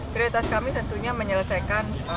prioritas kami tentunya menyelesaikan proyek proyek